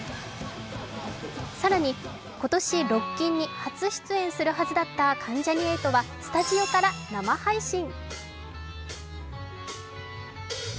更に、今年、ロッキンに初出演するはずだった関ジャニ∞はスタジオから生配信。